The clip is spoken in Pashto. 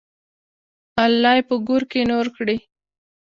الله یې په ګور کې نور کړي.